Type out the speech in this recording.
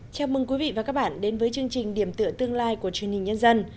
chào mừng quý vị và các bạn đến với chương trình điểm tựa tương lai của truyền hình nhân dân